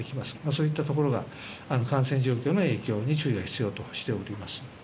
そういったところが感染状況の影響に注意が必要としております。